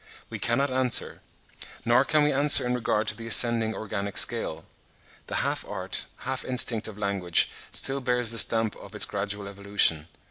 We cannot answer; nor can we answer in regard to the ascending organic scale. The half art, half instinct of language still bears the stamp of its gradual evolution.